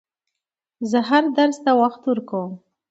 زه هر درس ته وخت ورکووم.